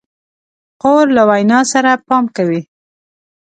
خور له وینا سره پام کوي.